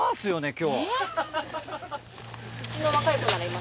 今日。